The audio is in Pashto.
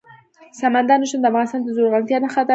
سمندر نه شتون د افغانستان د زرغونتیا نښه ده.